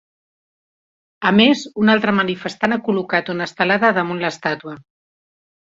A més, un altre manifestant ha col·locat una estelada damunt l’estàtua.